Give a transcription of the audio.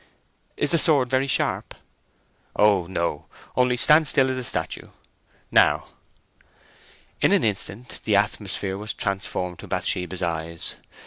"Is the sword very sharp?" "O no—only stand as still as a statue. Now!" In an instant the atmosphere was transformed to Bathsheba's eyes.